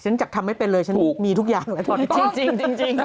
จากทำไม่เป็นเลยฉันมีทุกอย่างเลยตอนนี้จริง